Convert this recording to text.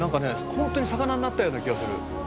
ホントに魚になったような気がする」